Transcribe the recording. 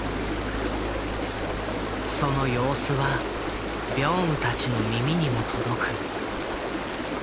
その様子はビョンウたちの耳にも届く。